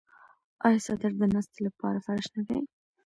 آیا څادر د ناستې لپاره فرش نه دی؟